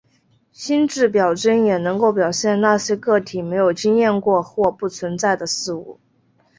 心智表征也能够表现那些个体没有经验过或不存在的事物。